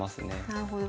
なるほど。